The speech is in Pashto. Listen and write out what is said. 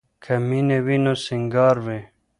که مینه وي نو سینګار وي.